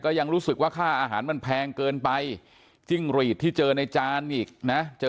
ก็ยังรู้สึกว่าค่าอาหารมันแพงเกินไปจริงหรือที่เจอในจาน